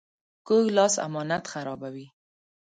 کوږ لاس امانت خرابوي